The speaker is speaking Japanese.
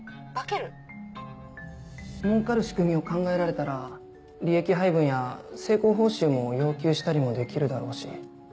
儲かる仕組みを考えられたら利益配分や成功報酬も要求したりもできるだろうし。